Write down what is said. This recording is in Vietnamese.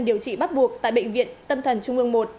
điều trị bắt buộc tại bệnh viện tâm thần trung ương một